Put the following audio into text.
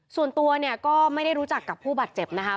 ส่วนตัวเนี่ยก็ไม่ได้รู้จักกับผู้บาดเจ็บนะคะ